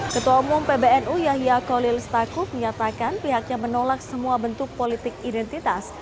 ketua umum pbnu yahya kolil stakuf menyatakan pihaknya menolak semua bentuk politik identitas